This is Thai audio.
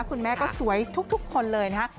คุณแม่ก็สวยทุกคนเลยนะฮะ